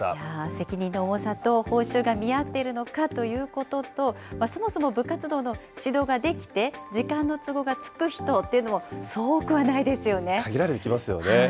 責任の重さと報酬が見合ってるのかということと、そもそも部活動の指導ができて時間の都合がつく人っていうのも、限られてきますよね。